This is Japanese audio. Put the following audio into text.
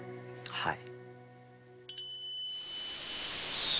はい。